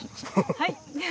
はい！